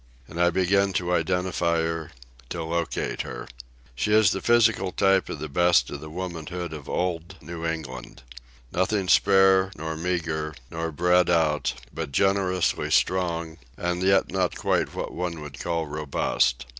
And I began to identify her, to locate her. She is a physical type of the best of the womanhood of old New England. Nothing spare nor meagre, nor bred out, but generously strong, and yet not quite what one would call robust.